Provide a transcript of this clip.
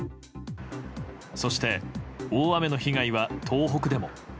そして、大雨の被害は東北でも。